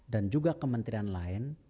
dan juga kementerian lain